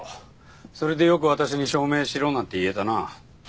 それでよく私に証明しろなんて言えたな。